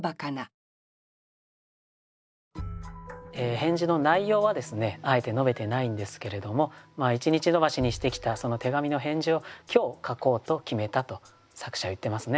返事の内容はですねあえて述べてないんですけれども１日延ばしにしてきたその手紙の返事を今日書こうと決めたと作者は言ってますね。